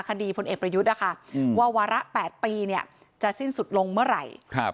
พลเอกประยุทธ์นะคะว่าวาระ๘ปีจะสิ้นสุดลงเมื่อไหร่